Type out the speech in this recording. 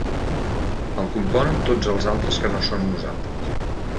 El componen tots els altres que no som nosaltres.